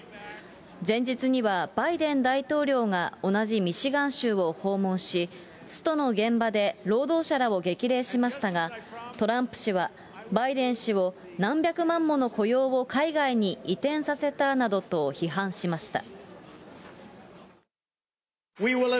前日にはバイデン大統領が同じミシガン州を訪問し、ストの現場で労働者らを激励しましたが、トランプ氏はバイデン氏を何百万もの雇用を海外に移転させたなどと批判しました。